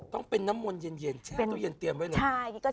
ต้องเป็นน้ำมนต์เย็น